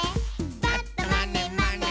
「ぱっとまねまね」